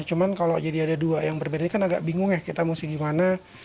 cuma kalau jadi ada dua yang berbeda ini kan agak bingung ya kita mesti gimana